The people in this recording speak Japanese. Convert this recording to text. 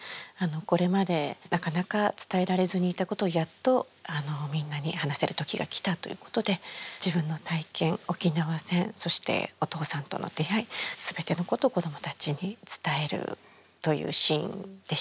これまでなかなか伝えられずにいたことをやっとみんなに話せる時が来たということで自分の体験沖縄戦そしてお父さんとの出会い全てのことを子供たちに伝えるというシーンでした。